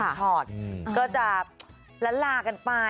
อย่างน้ำซะก็ก็จะเร็วกันไป